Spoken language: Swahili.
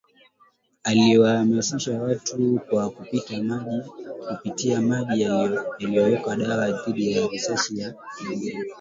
aliyewahamisisha watu kwa kupitia maji aliyoyaweka dawa dhidi ya risasi za Wajerumani